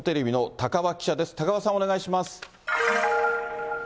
高和さん、お願いします。